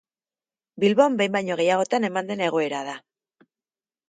Bilbon behin baino gehiagotan eman den egoera da.